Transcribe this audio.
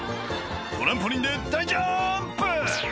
「トランポリンで大ジャンプ！」